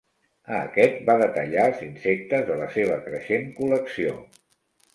A aquest, va detallar els insectes de la seva creixent col·lecció.